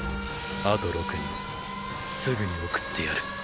あと六人すぐに送ってやる。